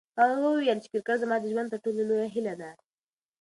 هغه وویل چې کرکټ زما د ژوند تر ټولو لویه هیله ده.